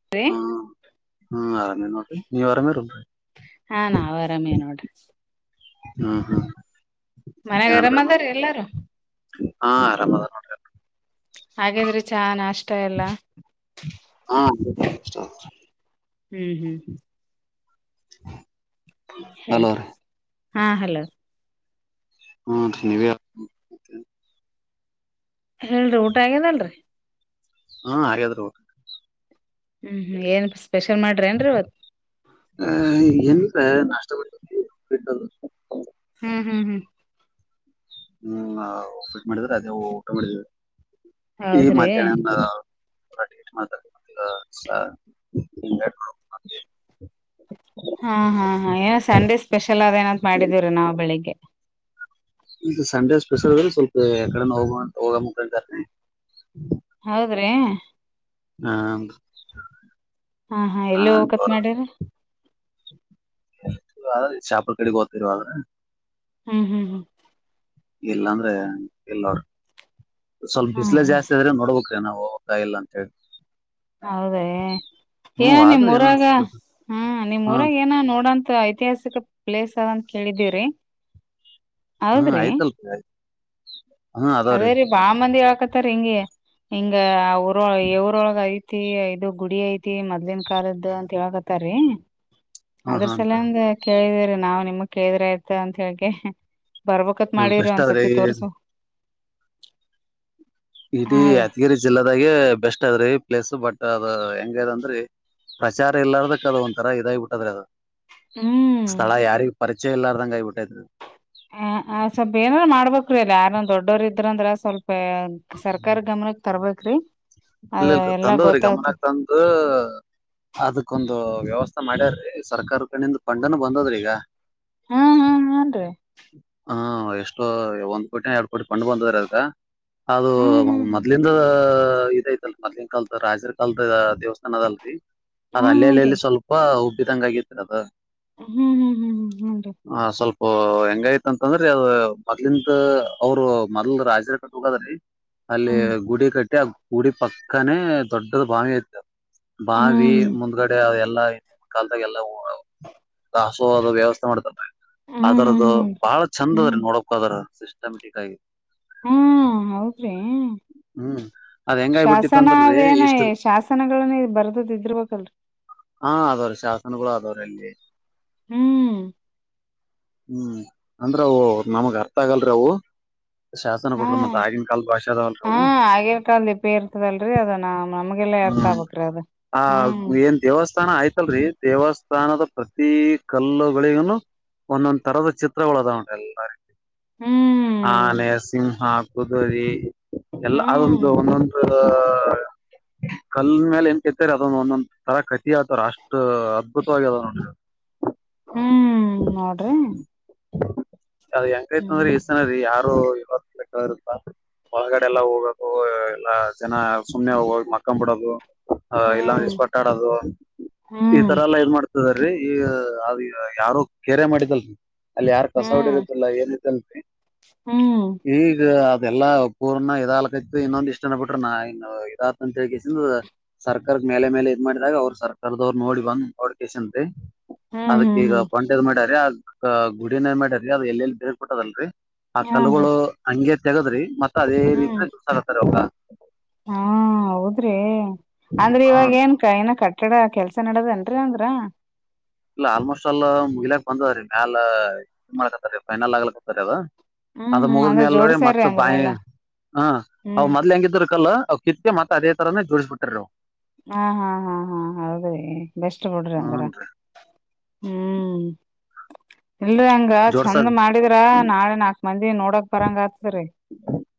ಹ [inaudible] ಹ್ಮ ಹ್ಮ್ ಆರಾಮೇ ನೋಡ್ರಿ ನೀವ ಆರಾಮೇ ರೀ. ಹಾ ನಾವು ಆರಾಮೇ ನೋಡ್ರಿ. ಹ್ಮ್ ಹ್ಮ್ ಮನೆ ಏನ್ ಗ್ ಆರಾಮ್ ನಡದ್ರ ಮತ್ತ ಅದರೀ ಎಲ್ಲಾರು. ಹಾ ಆರಾಮ್ ಅದರಿ ನೋಡ್ರಿ. ಹಾಗೇಂದ್ರೆ ಚಾ ನಾಷ್ಟ ಎಲ್ಲ. ಹಾ ಹ್ಮ್ ಹ್ಮ್ ಹ್ಮ್ ಹಲೋ ಹೇಳ್ರೀ ರೀ ಹಾ ಹಲೋ. ಹ್ಮ ಹೇಳ್ರಿ ಊಟ ಆಗೇದಲ್ರೀ. ಹ್ಮ ಹಾಗೆದ್ರ ಹ್ಮ ಹ್ಮ್ ಏನ್ ಸ್ಪೆಷಲ್ ಮಾಡ್ರ ಏನ್ರಿ ಇವತ್ತು. ಆ ಎಂತ ನಷ್ಟ ಬಿಟ್ಟ ಬಿಟ್ಟದು. ಹ್ಮ್ ಹ್ಮ್ ಹ್ಮ್ ಹ್ಮ್ ಉಪ್ಪಿಟ್ ಮಾಡಿದ್ರ ಅದೆ ಊಟ ಮಾಡಿದ್ವಿ ಈಗ ಹೌದ್ರಿ ಮದ್ಯಾಹ್ನ [unintelligible] [unintelligible] ಹಾ ಹಾ ಹಾ ಏನೋ ಸಂಡೆ ಸ್ಪೆಷಲ್ ಅದೆ ಏನಂತ ಮಾಡಿದೀವ್ರೀ ನಾವ್ ಬೆಳಿಗ್ಗೆ. ಈ ಸಂಡೇ ಸ್ಪೆಷಲ್ ಅಂದ್ರೆ ಸ್ವಲ್ಪ ಎ ಕಡೆ ಹೋಗ ಹೋಗ ಮುಕಂತ ಹೌದ್ರಿ. ಹಾ ಹಾ ಹಾ ಎಲ್ಲಿ ಹೋಗಕತ್ ಮಾಡ್ಯ್ರರಿ. ಶಾಪುರ್ ಕಡೆಗ್ ಹೋಗತಿರುವಾಗ. ಹ್ಮ್ ಹ್ಮ್ ಹ್ಮ್ ಇಲ್ಲ ಅಂದ್ರೆ ಎಲ್ಲರು ಸ್ವಲ್ಪ ಹಾ ಬಿಸಲೆ ಹಾ ಜಾಸ್ತಿ ಆದ್ರೆ ನೋಡ್ಬೇಕು. ಮತ್ತೆ ನಾವ್ ಹೋಗ್ ಬೇಕಾಗಿಲ್ಲ ಅಂತ ಹೇಳಿ. ಹೌದೇ. ಏ ಹ್ಮ್ ನಿಮ್ಮ್ ಆದ್ರೂ ಏನ ಊರಾಗ ಅನ್ಸ್ತದ ಹ ಹಾ ನಿಮ್ಮ್ಊರಾಗ ಏನ ನೋಡಂತ ಐತಿಹಾಸ. ಪ್ಲೇಸ್ ಅದಂತ ಕೇಳಿದಿವಿರೀ ಹ್ಮ ಆಯ್ತಲ್ಯ್ ಆಯ್ತ್ ಅದೇ ರೀ ಬಾ ಮಂದಿ ಹೇಳಕತ್ತರಿ ಹಿಂಗೆ ಹಿಂಗ ಅವರೊಳ ಈ ಊರೋಳಗ ತಿ ಇದು ಗುಡಿ ಐತಿ ಮೊದ್ಲೀನ್ ಕಾಲದ ಅಂತ ಹೇಳಕತ್ತಾರೀ ಹಾ ಅದ್ರ ಹಾನ್ರಿ ಸಲಂದ ಕೇಳಿದಿವಿರಿ ನಾವು ನಿಮ ಕೇಳಿದ್ರ ಆಯ್ತ ಅಂತ ಹೇಳ್ಕೆಸಿ ಬರ್ಬೇಕತ್ ಇಲ್ ಮಾಡೀವಿರಿ ಬೆಸ್ಟ್ ಆದ್ರಿ ಒಂದ್ಸತಿ ತೋರ್ಸು ಇಡೀ ಹಾ ರೀ ಯಾದಗಿರಿ ಜಿಲ್ಲದಾಗೆ ಬೆಸ್ಟ್ ಅದ್ರಿ ಪ್ಲೇಸ್ ಬಟ್ ಅದ್ ಹೆಂಗ ಅದಂದ್ರಿ ಪ್ರಚಾರ ಇರಲ್ಲಾರದಕ್ಕ ಅದ ಒಂತರ ಇದಾಗ ಬಿಟ್ಟದ್ರೆ ಅದು ಹ್ಮ್ ಸ್ಥಳ ಯಾರಿಗೆ ಪರಿಚಯ ಇಲ್ಲಾರ್ದಂಗ ಆಗ್ಬಿಟ್ಟೈತೆ ಹ್ಮ್ ಹ್ಮ್ ಸ್ವಲ್ಪ ಏನಾದಾರು ಮಾಡ್ಬೇಕ್ರೀ ಇಲ್ಲ ಯಾರ ದೊಡ್ಡೋರು ಇದ್ರಂದ್ರ ಸ್ವಲ್ಪ ಸರ್ಕಾರ ಗಮನಕ್ ತರ್ಬೇಕ ರೀ ಅದ ಇಲ್ಲ ಇಲ್ ಎಲ್ಲಾ ತಂದದ್ರಿ ಗೊತ್ತಾಗತ ಗಮನಕ್ ತಂದು ಅದಕ್ಕೊಂದು ವ್ಯವಸ್ಥೆ ಮಾಡ್ಯಾರ ರೀ ಸರ್ಕಾರದ ಕಡೆಯಿಂದ ಫಂಡ್ ನು ಬಂದದ್ರಿ ಈಗ ಹ್ಮ್ ಹ್ಮ್ ಹೂನ್ರಿ ಹಾ ಎಷ್ಟೋ ಒಂದ್ ಕೋಟಿ ಎರಡ್ ಕೋಟಿ ಫಂಡ್ ಬಂದಾದ್ರಿ ಅದೃದ್ದು ಅದು ಹ್ಮ್ ಹ್ಮ್ ಹ್ಮ್ ಮೊದ್ಲ ಇದು ಇದೈತಲ್ರಿ ಮೋದಲಿನ ಕಾಲದ ರಾಜರ್ ಕಾಲದ ದೇವಸ್ಥಾನ ಅದಲ್ರರಿ ಅದ್ ಹಾ ಅಲ್ಲಿ ಹಾನ್ರಿ ಅಲ್ಲಲ್ಲಿ ಸ್ವಲ್ಪ ಉಬ್ಬಿದಂಗ ಆಗಿತ್ತುರಿ ಅದ ಹ್ಮ್ ಹ್ಮ್ ಹ್ಮ್ ಹ್ಮ್ ಹ್ಮ ರೀ ಹ ಸ್ವಲ್ಪ ಹೆಂಗಯತ ಅಂತಂದ್ರಿ ಅದ ಮೊದ್ಲಿಂದ ಅವರು ಮೊದ್ಲ್ ರಾಜರ ಕಟ್ಟ ಬೇಕಾದ್ರಿ ಅಲ್ಲಿ ಹ್ಮ್ ಗುಡಿ ಕಟ್ಟಿ ಆ ಗುಡಿ ಪಕ್ಕಾನೇ ದೊಡ್ಡದ ಬಾವಿ ಐತ್ರಿ ಅದು ಹ್ಮ್ ಬಾವಿ ಹ್ಮ್ ಮುಂದ್ಗಡೆ ಅ ಎಲ್ಲಾ ಕಾಲದಾಗ ಎಲ್ಲವು ಹಸುವಾದವರಿಗೆ ವ್ಯವಸ್ಥೆ ಮಾಡ್ತ ಹ್ಮ್ ಹ್ಮ್ ಹ್ಮ್ ಹ್ಮ್ ಅದರದ್ದು ಹ್ಮ್ ಬಹಳ ಚಂದ ಹ್ಮ್ ಅದ್ರೀ ನೋಡ್ಬೇಕದ್ರಾ [unintelligible] ಹಹ್ಮ್ ಹೌದ್ರಿ ಹ್ಮ್ ಅದ್ ಹೆಂಗ್ ಆಗ್ಬಿಟ್ಟಿತ್ ಶಾಸನ ಅಂದ್ರರಿ ಅವೇನ ಇಷ್ಟು ಶಾಸನಗಳನ್ನ ಬರ್ದದ ಇದ್ರಬೇಕಲ್ರ ಹಾ ಅದವ್ರೆ ಶಾಸನಗಳು ಅದವ್ರು ಅಲ್ಲಿ ಹ್ಮ್ ಹ್ಮ್ ಅಂದ್ರ ಅವು ನಮಗ್ ಅರ್ಥ ಆಗಲ್ರರಿ ಅವು ಹ್ಮ ಶಾಸನಗಳು ಮತ್ ಆಗಿನ ಕಾಲದ ಭಾಷೆ ಅದಾವಲ್ರಿ ಹಾ ಅವು ಆಗಿನ್ ಕಾಲದ್ದು ಲಿಪಿ ಇರ್ತದಲ್ರಿ ಅದ ನ ನಮ್ಗೆಲ್ಲಾ ಹ್ಮ್ ಅರ್ಥಬೇಕು ರದು ಆ ಏನ್ ದೇವಸ್ಥಾನ ಆಯ್ತಲ್ರಿ ದೇವಸ್ಥಾನದ ಪ್ರತಿ ಕಲ್ಲುಗಳಿಗನು ಒಂದೊಂದ್ ತರದ ಚಿತ್ರಗಳಗಳುದಾವ ನೋಡ್ರಿ ಎಲ್ಲ ಹ್ಮ್ ಆನೆ ಸಿಂಹ ಕುದುರಿ ಎಲ್ಲ ಹ್ಮ್ ಅದೊಂದು ಒಂದೊಂದು ಕಲ್ ಮೇಲೆ ಏನ್ ಕೆತ್ತಾರೆ ಅದೊಂದ ಒಂದೊಂದ ತರ ಕತಿ ಹೇಳ್ತಾವ್ರಿ ಅಷ್ಟ್ ಅದ್ಭುತವಾಗಿ ಅದಾವ್ ನೋಡ್ರಿ ಹ್ಮ್ ನೋಡ್ರಿ ಅದ ಹೆಂಗೈತೆ ಅಂದ್ರೆ ಹ್ಮ್ ಇಷ್ಟತನ ರೀ ಯಾರು ಇವತ್ತು ಕೇಳೋರಿಲ್ಲ ಹೊಳಗಡೆ ಎಲ್ಲಾ ಹೋಗದು ಎಲ್ಲಾ ಜನ ಸುಮ್ನೆ ಹೋಗ ಮಕ್ಕೊಂಡ್ ಬಿಡೋದು ಹ ಇಲ್ಲಾಂದ್ರ ಹ್ಮ್ ಇಷ್ಟಪಟ್ ಆಡೋದು ಈ ಹ್ಮ್ ತರ ಎಲ್ಲಾ ಏನ್ ಮಾಡ್ತ ರೀ ಅದು ಯಾರು ಕೇರೆ ಮಾಡಿದ್ದಿಲ್ಲ ಅಲ್ಲಿ ಯಾರ ಕಸೋಡಿ ಹ್ಮ್ ಇರುತ್ತಿಲ್ಲ ಏನತ್ತನ್ರಿ ಹ್ಮ್ ಈಗ ಅದೆಲ್ಲಾ ಪೂರ್ನ ಇದಾಲ್ಕೈತ್ತು ಇನ್ನೊಂದ್ ಇಷ್ಟನ ಬಿಟ್ರ ನಾ ಇ ಇದತಂತ ಎಲ್ಕೇಸಿಂದ ಸರ್ಕಾರ ಮೇಲೆ ಮೇಲೆ ಇದ್ ಮಾಡಿದಾಗ ಅವ್ರರು ಸರ್ಕಾರದವ್ರರು ನೋಡಿ ಬಂದ ಅವಡ್ಕಸಂತೆ ಹ್ಮ್ ಅದಕ್ಕ ಹ್ಮ್ ಈಗ ಹ್ಮ್ ಪಂಟದ್ ಮಾಡ್ಯ್ರೀ ಆ ಗುಡಿನಗ ಮಾಡ್ಯಾರೀ ಅದ ಎಲ್ಲೆಲ್ಲಿ ಬೇರ್ಬಿಟ್ಟದಲ್ರರಿ ಆ ಹಾನ್ರಿ ಕಲ್ಲುಗಳು ಹಂಗೆ ತೆಗದ್ರಿ ಮತ್ತ ಅದೇ ರೀತ ಹ್ಮ್ ಜೂಸ್ ಆಕತ್ತಾರೆ ಅದ್ಕ ಹಾ ಹೌದ್ರಿ ಅಂದ್ರೆ ಹಾ ಇವಾಗ ಏನ್ ಕೈನ ಕಟ್ಟಡ ಕೆಲ್ಸ ನಡದದೇನ್ರರಿ ಅಂದ್ರ. ಇಲ್ಲ ಆಲ್ಮೋಸ್ಟ್ ಅಲ್ಲ ಮುಗಿಲಾಕ್ ಬಂದದ್ದ್ರೀ ಮ್ಯಾಲ ಇದು ಮಾಡಕತ್ತರಿ ಫೈನಲ್ ಆಗ್ಲಕತ್ತ ಅದ. ಹ್ಮ್ ಅದ ಹ್ಮ್ ಅಂದ್ರ ಮುಗದ್ಮೇಲ್ರಿ ಜೋಡ್ಸ್ಯಾರಿ ಮತ್ ಅಂದ್ರ ಎಲ್ಲಾ [unintelligible] ಹ್ಮ್ ಅವ್ ಮೊದ್ಲ್ ಹೆಂಗಿದರ್ಕಲ್ ಕಿತ್ ಮತ್ತೆ ಅದೇ ತರನೇ ಜೋಡಿಸಬಿಟ್ಟ್ರರು. ಹಾ ಹಾ ಹಾ ಹಾ ಹೌದ್ರಿ ಬೆಸ್ಟ್ ಬಿಡ್ರಿ ಹಂಗರ. ಹೂನ್ರಿ ಹ್ಮ್ ಇಲ್ರಿ ಹಂಗ ಚಂದ ಜೋಡ್ಸದ್ ಮಾಡಿದ [unintelligible] ನಾಳೆ ನಾಕ್ ಮಂದಿ ನೋಡಕ್ ಬರಂಗ ಆತರಿ. [inaudible]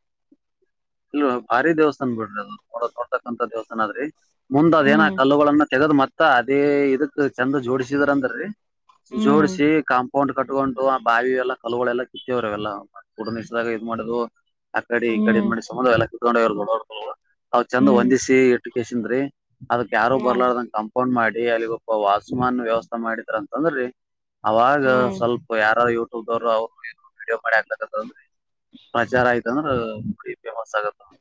ಇಲ್ವಾ ಭಾರಿ ದೇವಸ್ಥಾನನ್ ಬಿಡ್ರಿ ಅದು. [inaudible] ದೇವಸ್ಥಾನದ್ರೆ ಮುಂದ ಅದೇನ ಹ್ಮ್ ಕಲ್ಲುಗಳನ್ನ ತೆಗೆದು ಮತ್ ತ್ತ ಅದೇ ಇದಕ್ ಚಂದ ಜೋಡಿಸಿದ್ರಂದ್ರೀ ಹ್ಮ್ ಜೋಡಸಿ ಕಾಂಪ ಕೊಂಡ್ ಕಟ್ಕೊಂಡು ಆ ಬಾವಿ ಎಲ್ಲ ಕಲ್ಲಗಳೆಲ್ಲ ಕಿತ್ತವ್ವೆೆಲ್ಲ ಕೂಡ ನಿಷ್ಟಿದಾಗ ಇದ್ ಮಾಡದು ಆ ಕಡೆಡಿ ಈ ಕಡ ಹ್ಮ್ ಮಾಡಿ ಎಲ್ಲ ಕತ್ಕೊಂಡೋಗ [unintelligible] ಅವ್ ಚಂದ ಹ್ಮ್ ಹೊಂದಿಸಿ ಎಟು ಕೇಶನ್ರೀ. ಅದಕ್ ಯಾರು ಹನ್ರಿ ಬರ್ಲಾರ್ದಂಗ ಕಾಂಪೌಂಡ್ ಮಾಡಿ ಅಲ್ಲಿಗ ಒಬ್ಬ ವಾಸಮಾನ್ ವ್ಯವಸ್ಥಾ ಮಾಡಿದ್ರ ಅಂತಂದ್ರಿ. ಅವಾಗ ಹ್ಮ್ ಸ್ವಲ್ಪ ಯಾರ ಯೂಟ್ಯೂಬ್ವರು ಅವ್ರು ಇವ್ರು ವಿಡಿಯೋ ಮಾಡಿ ಹಾಕ್ತಂತಂದ್ರೆ ಪ್ರಜಾರ ಆಯ್ತಂದ್ರೀ ಫುಲ್ ಫೇಮಸ್ ಆಗತ್ತ ನೋಡು.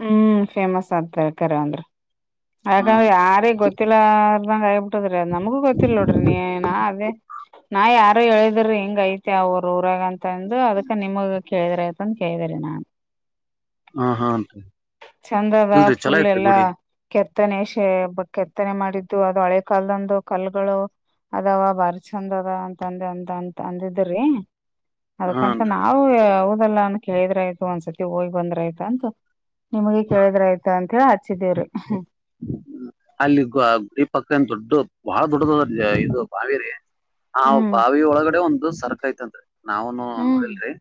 ಹ್ಮ್ ಫೇಮಸ್ [unintelligible] ಅಂದ್ರು. ಆಗ ಹ್ಮ್ ಯಾರಿಗ್ ಗೊತ್ತಿಲ್ಲಂಗ [unintelligible] [unintelligible] ನಮಗೂ ಗೊತ್ತಿಲ್ಲ ನೋಡ್ರಿ ನೀ ನಾ ಅದೇ ನಾ ಯಾರ ಅವ ಹೇಳಿದಿರಿ ಹಿಂಗ ಐತೆ ಅವರು ಊರಾಗ ಅಂತ ಅಂದು ಅದಕ ನಿಮಗ ಕೇಳಿದ್ರ ಆಯತ ಅಂತ ಕೇಳಿದ್ರಿ ನಾನು. ಹಾ ಹಾನ್ ರೀ [inaudible] ಚಂದದಾ ಇಲ್ರಿ ಚಲೋ ಫುಲ್ ಐತ್ರಿ ಎಲ್ಲಾ. ಗುಡಿ ಕೆತ್ತನೆ ಶ ಕೆತ್ತನೆ ಮಾಡಿದ್ದು ಅದು ಹಳೆ ಕಲ್ದಂದು ಕಲ್ಗಳು. ಅದಾವ ಬಾರಿ ಚಂದ್ ಅದ ಅಂತಂದ ಅದ ಅಂತ ಅಂತ ಅಂದಿದ್ರಿ. ಅದ್ಕಂತ ಹಾನ್ ರೀ ನಾವು ಹೌದೆಲ್ಲನ್ ಕೇಳಿದ್ರ ಆಯ್ತು ಒಂದ್ಸತಿ ಹೋಗಿ ಬಂದ್ರ ಆಯ್ತ ಅಂತ ನಿಮಗೆ ಕೇಳಿದ್ರ ಆಯ್ತ ಅಂತ ಹೇಳಿ ಹಚ್ಚಿದೇವ್ರಿ. ಅಲ್ಲಿ ಈ ಪಕ್ಕಂದ ದೊಡು ಬಹಳ ದೊಡ್ಡದದ್ರ ಇದು ಬಾವಿ ರೀ ಆ ಹ್ಮ್ ಬಾವಿ ಒಳಗಡೆ ಒಂದು ಸರ್ಕಯಂತ್ರಿ. ನಾವನು ಹ್ಮ್ ನೋಡಿಲ್ರರಿ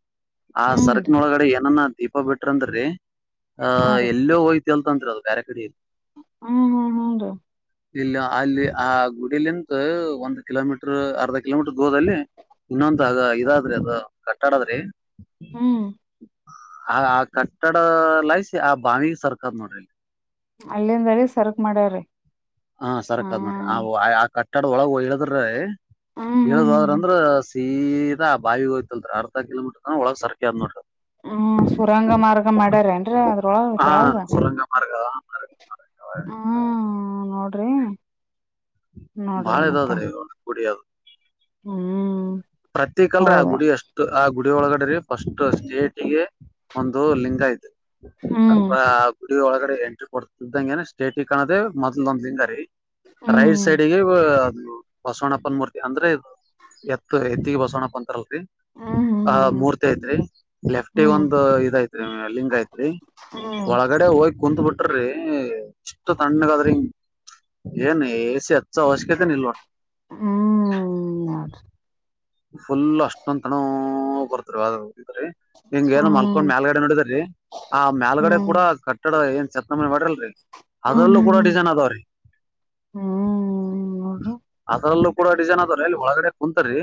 ಆ ಹ್ಮ್ರಿ ಸರಕ್ನೊಳಗಡೆ ಏನನ್ನ ದೀಪ ಬಿಟ್ರಂದ್ರರಿ. ಆಹ ಹಾ ರೀ ಎಲ್ಲೋ ಹೋಗಿ ತೆಲ್ತಾನ್ರಿ ಅದು ಬೇರೆ ಕಡಿ ಹ್ಮ ಹ್ಮ ಇಲ್ಲಿ ಅಲ್ಲಿ ಆ ಗುಡಿಯಲಿಂತ ಒಂದ್ ಕಿಲೋಮೀಟರ್ ಅರ್ಧ ಕಿಲೋಮೀಟರ್ ದೂರದಲ್ಲಿ. ಇನ್ನೊಂದು ಅದು ಇದದ್ರಿ ಅದ ಕಟ್ಟಾಡದ್ರಿ. ಹ್ಮ್ ಆ ಆ ಕಟ್ಟಡ ಲೈಸ ಆ ಬಾವಿ ಸರ್ಕದ್ ನೋಡ್ರಿ. ಅಲ್ಲಿಂದಲ್ಲಿ ಸರ್ಕ್ ಮಡ್ಯಾರೆ. ಹಾ ಸರ್ಕದ್ ನೋಡ್ರಿ ಆ ಆ ಕಟ್ಟಡದ ಒಳಗ ಇಳದ್ರಿ ಹ್ಮ್ ಹ್ಮ್ ಇಳ್ದು ಹ್ಮ್ ಅಂದ್ರ ಸೀದಾ ಬಾವಿ ಹೋಯ್ತಲ್ರಿ ಅರ್ ಕಿಲೋಮೀಟರ್ ಒಳಗ್ ಸರ್ಕೆದ್ ನೋಡ್ರಿ. ಹ್ಮ್ ಸುರಂಗ ಮಾರ್ಗ ಮಾಡ್ಯಾರೇಏನ್ರೀ ಅದ್ರೊಳ ಕೆಳಗ. ಸರಂಗ ಮಾರ್ಗ [unintelligible] ಹ್ಮ ನೋಡ್ರಿ. ನೋಡ್ರಿ ಮತ್ತ ಬಾಳೆದಾದ್ರೀ ಕುುಡಿಯದು. ಹ್ಮ್ ಪ್ರತಿಕ್ ಅಲ್ರ ಆ ಹೌದು ಗುಡಿ ಅಷ್ಟು ಆ ಗುಡಿ ಒಳಗಡೆ ಫಸ್ಟ್ ಸ್ಟೇಟ್ಗೆ ಒಂದು ಲಿಂಗ ಐತ್ ಹ್ಮ್ ಆ ಗುಡಿ ಒಳಗಡೆ ಎಂಟ್ರಿ ಕೊಡ್ತಿದ್ದಂಗ ಸ್ಟೇಟಿಗ್ ಕಾಣದ ಮೊದ್ಲ ಒಂದ್ ಲಿಂಗ ರೀ. ರೈಟ್ ಹ್ಮ್ ಸೈಡ್ಗೆ ಬಸವಣಪ್ಪನ ಮೂರ್ತಿ ಅಂದ್ರೆ ಎತ್ತಿಗೆ ಬಸವಣ್ಣಪ್ಪ ಅಂತಾರಲ್ರಿ ಹ್ಮ್ ಆ ಹ್ಮ್ ಮೂರ್ತಿ ಐತ್ರಿ ಲೆಫ್ಟಿಗ್ ಹ್ಮ್ ಒಂದು ಇದ ಐತ್ರಿ ಲಿಂಗ ಐತ್ರಿ. ಒಳಗಡೆ ಹೋಗಿ ಕುಂತ್ ಬಿಟ್ಟರಿ ಇಷ್ಟ ತಣ್ಣಗದ್ರಿ. ಏನ್ ಎ ಸಿ ಹಚ್ಚ ಅವಶ್ಯಕತೆನೇ ಇಲ್ಲ ನೋಡ. ಹ್ಮ್ ಫುಲ್ ಅಷ್ಟೊಂದ ತಣ್ಣಗ ಬರುತ್ತ್ರಿ ಒಳಗ್ [unintelligible] ಹಿಂಗ ಏನೋ ಮಲ್ಕೊಂಡ್ ಹ್ಮ್ ಮ್ಯಾಲ್ಗಡೆ ನೋಡಿದರಿ ಆ ಮ್ಯಾಲ್ಗಡೆ ಕೂಡ ನೋಡ್ರಿ ಕಟ್ಟಡ ಏನ್ [unintelligible] ಹ್ಮ್ ಹ್ಮ್ ಹ್ಮ್ ಅದ್ರಲ್ಲೂ ಹ್ಮ್ ಕೂಡ ಡಿಸೈನ್ ಅದಾವ್ರಿ. ಹ್ಮ್ ಹ್ಮ್ ನೋಡ್ರಿ ಅದರಲ್ಲೂ ಕೂಡ ಡಿಸೈನ್ ಅದಾವ್ರಿ ಅಲ್ಲಿ ಒಳಗಡೆ ಕುಂತರಿ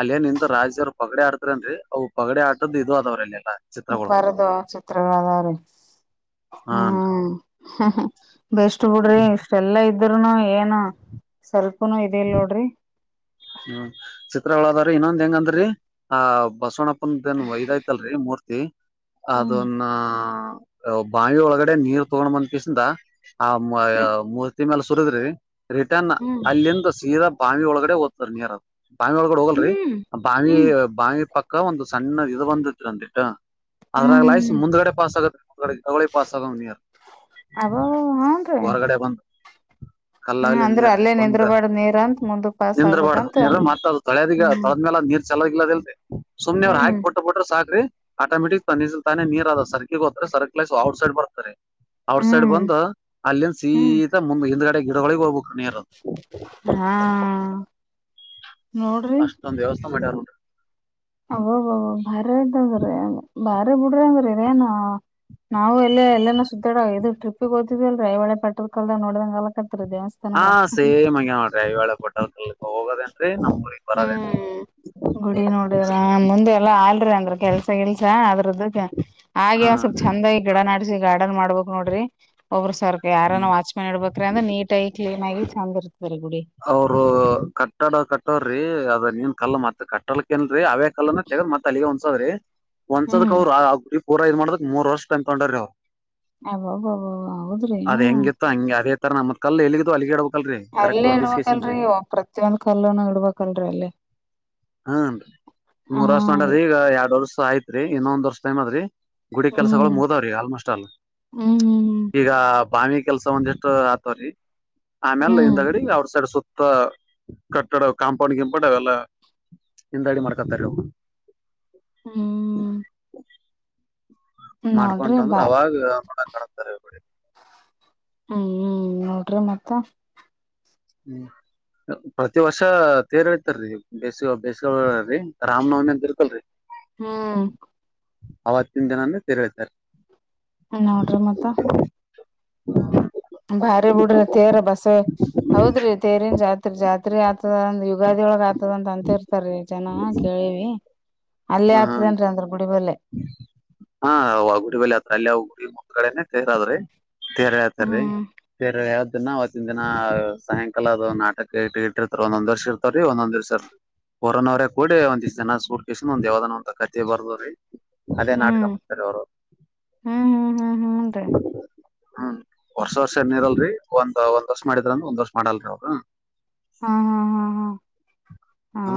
ಅಲ್ಲೇ ನಿಂತು ರಾಜರ್ ಪಗಡೆ ಆಡ್ತೀರಂತ್ರಿ ಅವು ಪಗಡೆ ಆಟದ್ ಇದು ಅದಾವ್ರಿ ಅಲ್ಲೆಲ್ಲಾ. ಚಿತ್ರಗಳು ಬರದ ಚಿತ್ರಗಳ ಅದಾವ್ರಿ ಹಾನ್. ಹ್ಮ್. ಬೆಸ್ಟ್ ಬಿಡ್ರಿ ಇಷ್ಟೆಲ್ಲಾ ಇದ್ರೂನು ಏನು ಸ್ವಲ್ಪನು ಇದ ಇಲ್ ನೋಡ್ರಿ. ಹ್ಮ ಚಿತ್ರಗಳ ಅದಾವ್ರಿ ಇನ್ನೊಂದ್ ಹೆಂಗಂದರಿ ಆ ಬಸವಣ್ಣಪ್ಪಂದ ಏನ್ ಒಯ್ ಇದ ಐತಲ್ರಿ ಮೂರ್ತಿ ಹ್ಮ್ ಅದೋನ್ನ ಬಾವಿ ಒಳಗಡೆ ನೀರ್ ತಗೊಂಡ ಬಂದ ಕೇಶಿಂದಾ ಆ ಮ ಮೂರ್ತಿ ಮ್ಯಾಲ ಸುರದ್ರಿ ರಿಟರ್ನ್ ಹ್ಮ್ ಅಲ್ಲಿಂದ ಸೀದಾ ಬಾವಿ ಒಳಗಡೆ ನೀರ್ ಅದ ಬಾವಿ ಒಳಗಡೆ ಹೋಗಲ್ರಿ ಹ್ಮ್ ಬಾವಿ ಹ್ಮ್ ಹ್ಮ್ ಬಾವಿ ಪಕ್ಕ ಕ್ಕ ಒಂದು ಸಣ್ಣ ಇದು ಬಂದೇತ್ರಿ ಒಂದಿಟ್ಟ ಅದ್ರಲ್ಲಾಯಿಸಿ ಹ್ಮ್ ಮುಂದ್ಗಡೆ ಪಾಸ್ ಆಗದ ಮುಂದಗಡೆ [unintelligible] ಪಾಸ್ ಅದಾವ ನೀರ್ ಅಬ ಹನ್ರಿ ಹೊರಗಡೆ ಬಂದ ಹ್ಮ್ ಅಂದ್ರ ಅಲ್ಲೇ ನಿಂದರ್ಬಾರದ ನೀರ ಅಂತ ಮುಂದ ನಿಂದ್ರಬಾರ್ದ ನೀರ್ ಮತ್ತ ಅದು ತೊಳ್ಯದಗ ತೋಳದ ಮ್ಯಾಲ ನೀರ್ ಚೆಲ್ಲದ ಗಿಲ್ಲದ ಇಲ್ರಿ ಸುಮ್ನೆ ಅವ್ರ ಹ್ಮ್ ಹಾಕಿ ಕೊಟ್ಟ ಬಿಟ್ರ ಸಾಕ್ರಿ ಆಟೋಮೆಟಿಕ್ ತನ್ನ ಇಚ್ಚ್ಲಿ ತಾನೇ ನೀರ್ ಅದ ಸರ್ಕಿಗ ಹೋತ್ರಿ ಸರ್ಕ್ಲೈಶ್ ಔಟ್ ಸೈಡ್ ಬರ್ತರಿ. ಔಟ್ ಸೈಡ್ ಹ್ಮ್ ಬಂದ ಅಲ್ಲಿಂದ ಹ್ಮ್ ಸೀದಾ ಮುಂದ್ ಹಿಂದ್ಗಡೆ ಗಿಡಗೊಳಿಗ ಹೋಗ್ಬೇಕು. ಹಾ ನೋಡ್ರಿ ಅಷ್ಟೊಂದ ವ್ಯವಸ್ಥೆ ಮಾಡ್ಯಾರ ನೋಡ್ರಿ. ಅಬ್ಬಬ್ಬಾ [unintelligible] ಬಾರಿ ಬಿಡ್ರಿ ಹಂಗರ್ ಇದೇನ್ ನಾವು ಇಲ್ಲೆ ಎಲ್ಲನ ಸುತ್ತಾಡ ಇದು ಟ್ರಿಪ್ಪಿಗ್ ಹೊತಿದೇವಲ್ರಿ ಐಹೊಳೆ ಪಟ್ಟದಕಲ್ಲು ನೋಡ್ದಂಗ ಅಲಕತ್ರೀ ಜೀವ. ಹಾ ಸೇಮ್ಂಗೆ ನೋಡ್ರಿ ಅಯ್ಯೋ ಹೊಳೆ ಪಟ್ಟದಕಲ್ಲಗ ಹೋಗೋದೇನ್ರಿ ನಮ್ ಉರಿಗ್ ಬರೋದೇನ್ರಿ ಗುಡಿ ನೋಡಿದ್ರ ಮುಂದೆಲ್ಲಾ ಆಲ್ರಿ ಅಂದ್ರ ಕೆಲ್ಸ ಗಿಲ್ಸ ಅದ ಹಾಗೆ ಒಂದ್ ಹ್ಮ್ ಸ್ವಲ್ಪ್ ಚಂದಾಗಿ ಗಿಡ ನಾಡ್ಸಿ ಗಾರ್ಡನ್ ಮಾಡ್ಬಬೇಕ್ ನೋಡ್ರಿ ಒಬ್ಬ್ರ ಸರ್ ಯಾರಾನ್ ಹ್ಮ್. ವಾಚ್ ಮ್ಯಾನ್ ಇಡ್ಬೇಕ್ರಿ ಅಂದ್ರ ನೀಟ್ ಆಗಿ ಕ್ಲೀನ್ ಆಗಿ ಚಂದ ಇರ್ತದ್ರಿ ಗುಡಿ. ಅವ್ರೂ ಕಟ್ಟಡ ಕಟ್ಟೋರಿ ಅದ ನೀನ್ ಕಲ್ಲ ಮತ್ ಕಟ್ಟಲ್ಕಿಲ್ರಿ ಅವೆ ಕಲ್ಲನ್ನ ತೆಗ್ದ್ ಮತ್ತ್ ಅಲ್ಲಿಗೆ ಹೊಂದಸೋದ್ರಿ ಹೊಂದಸದಕ್ ಹ್ಮ್ ಅವ್ರು ಅ ಪೂರ ಇದ್ ಮಾಡದ್ರ ಮೂರ್ ವರ್ಷ ತಂದಕೊಂಡಾರಿ ಅವ್ರು. ಅಬ್ಬಬ್ಬಾ ಹೌದ್ರಿ. ಅದ್ ಹೆಂಗಿತ್ತು ಹಂಗೆ ಅದೇ ತರ ನಮ್ದ ಕಲ್ಲ ಎಲ್ಲಿಗ ಇದ್ದುವು ಅಲ್ಲಿಗೆ ಇಡಬೇಕಲ್ರಿ ಕರೆಕ್ಟ್ ಇಲ್ಲೇ ಒಂದ್ ದಿವ್ಸಕೇಸಿಂದ್ರಿ ಇಡ್ಬೇಕಲ್ರೀ ಪ್ರತಿಯೊಂದ್ ಕಲ್ಲುನ ಇಡ್ಬೇಕಲ್ರಿ ಅಲ್ಲೆ. ಹನ್ರಿ ಮೂರ್ ವರ್ಷ ತೊಂಡಾರಿ ಈಗ ಯಾಡ್ ವರ್ಷ ಆಯ್ತ್ರಿ ಇನ್ನೊಂದ್ ವರ್ಷ ಟೈಮ್ ಆದ್ರಿ. ಗುಡಿ ಕೆಲ್ಸಗಳು ಹ್ಮ್ ಮುಗದಾವ್ರಿ ಆಲ್ಮೋಸ್ಟ್ ಅಲ್. ಹ್ಮ್ ಈಗ ಬಾವಿ ಕೆಲ್ಸ ಒಂದ ಇಟ್ ಆತವ್ರೀ ಆಮ್ಯಾಲ ಹ್ಮ್ ಹಿಂದಗಡಿ ಅವ್ರ ಸೈಡ್ ಸುತ್ತ ಅ ಕಟ್ಟಡ ಕಾಂಪೌಂಡ್ ಗಿಪೊಂಡ್ ಅವೆಲ್ಲ ಹಿಂದಾಡಿ ಮಾಡ್ಕತಾರಿ ಅವ್ರ್. ಹ್ಮ ನೋಡ್ರಿ ಮಾಡ್ಕೊಂಡ್ ಅಂದ್ರ ಬಾ ಅವಾಗ ನೋಡಕ್ ಕಾಣತಾರ ಹ್ಮ್ ಹ್ಮ್ ನೋಡ್ರಿ ಮತ್ತ. ಹ್ಮ್. ಪ್ರತಿ ವರ್ಷ ತೇರ್ ಏಳಿತಾರೀ ಬೇಸಿಗೆ ಬೇಸಿಗಲ್ಲಿ ರಾಮನವಮಿ ಅಂತ ಇರುತ್ತಲ್ಲರಿ. ಹ್ಮ್. ಅವತ್ತಿನ ದಿನಾನೇ ತೆರೇಳತರೆ. ಹ ನೋಡ್ರಿ ಮತ್ತ. ಭಾರಿ ಬಿಡ್ರ ತೇರ್ ಬಸ್ಸ ಹೌದ್ರಿ. ತೇರಿನ್ ಜಾತ್ರೆ ಜಾತ್ರೆ ಆತದಂದ ಯುಗಾದಿ ಒಳಗ್ ಆತದ ಅಂತ ಅಂತಿರ್ತಾರೀ. ಜನ ಕೇಳಿವಿ ಅಲ್ಲೇ ಹಾ ಆತದೇನ್ ಅಂದ್ರ ಗುಡಿಬಲ್ಲೆ. ಹಾ ಆ ಗುಡಿ ಬಲ್ಲ ಹತ್ರ ಅಲ್ಲಿ ಅವ ಗುಡಿ ಒಂದಗಡೆನೆ ತೇರ್ ಅವ್ರೆ. ತೇರ ಹೇಳ್ತಾರೀ ಹ್ಮ್ ತೇರೆ ಎಳಿಯಾದನ್. ದಿನಾ ಸಾಯಂಕಾಲದದು ನಾಟಕ ಇಟ್ಟ ಇಟ್ಟಿರ್ತಾರ ಒಂದ ವರ್ಷ ಇರ್ತವ್ರೀ ಒಂದೊಂದ್ ವರ್ಷ ಇರ್. ಕೊರೋನ್ವರ ಕೂಡ ಒಂದಿಷ್ಟು ಜನ ಸೂರ್ ಕಿಸ್ ಒಂದ ಯಾವ್ದಾನೋ ಒಂತ ಕಥೆ ಬರ್ದ್ ಅವ್ರಿ. ಅಲ್ಲೇ ನಾಟಕ ಹ್ಮ್ ಮಾಡ್ತಾರೆ ಅವರು. ಹ್ಮ್ ಹ್ಮ್ ಹ್ಮ್ ಹ್ಮ್ನ್ರಿ ಹ್ಮ್ ವರ್ಷ ವರ್ಷ ಏನ ಇರಲ್ರಿ ಒಂದ್ ಒಂದ್ ವರ್ಷ ಮಾಡಿದ್ರ ಒಂದ್ ವರ್ಷ ಮಾಡಲ್ರರಿ ಅವ್ರ. ಹಾ ಹಾ ಹಾ ಹಾ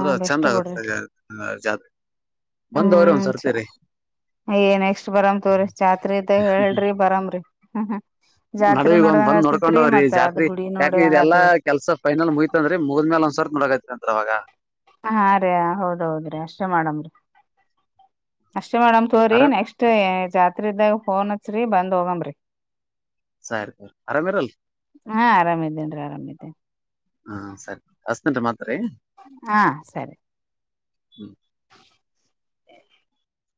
ಹಾ ಚಂದ್ ಬೆಸ್ಟ್ ಬಿಡ್ರಿ ಆಗುತ್ತೆ. ಹ ಜಾತ್ ಬಂದ ಹೋಗ್ರಿ ಒಂದಸರ್. ಛ್ ಅಯ ನೆಕ್ಸ್ಟ್ ಬರಾಮ ತವ್ರಿ ಜಾತ್ರಿ ಇದ್ದ ಹೇಳ್ರಿ ಬರಮ್ರಿ. ಹ್ಮ್ ಹ್ಮ್ ಜಾತ್ರೆ ನಡುವಿಗ್ ಒಂದ್ ನೋಡಿದಂಗ ಬಂದ್ ನೋಡ್ಕೊಂಡ್ ಆತತ್ರಿ ಹೋಗ್ರಿ ಮತ್ತತ್ ಅದ್ ಜಾತ್ರಿ ಗುಡಿ ಯಾಕ ನೋಡಿದಂಗ ಇದೆಲ್ಲಾ ಆತದರಿ. ಕೆಲ್ಸ ಪೈನಲ್ ಮುಗಿತ ಅಂದ್ರ ಮುಗಿದ್ಮೇಲೆ ಒಂದ್ಸರ್ ನೋಡೈತಿ ಅಂತರ್ ಅವಾಗ. ಹ ಹಾ ರೀ ಹೌದೌದ್ರಿ ಅಷ್ಟೇ ಮಾಡಮ್ರೀ ಅಷ್ಟೇ ಮಾಡಮ ತೋರಿ ಆರಾಮ್ ನೆಕ್ಸ್ಟ್. ಜಾತ್ರೆ ಇದ್ದಾಗ ಫೋನ್ ಹಚ್ರಿ ಬಂದ್ ಹೋಗಂಬ್ರಿ. ಸರಿ ಆರಾಮಿರಲ್ ಹಾ ಆರಾಮಿದ್ದೇನ್ರಿ ಆರಾಮ ಇದ್ದೇನ್. ಹಾ ಸರಿ ಅಸ್ನಂಟ ಮಾತ್ರಿ. ಹಾ ಸರಿ. ಹ್ಮ್.